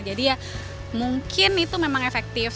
jadi ya mungkin itu memang efektif